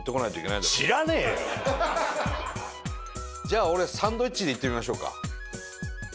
じゃあ俺サンドイッチでいってみましょうか。